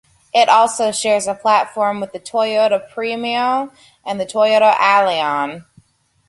It also shares a platform with the Toyota Premio and the Toyota Allion.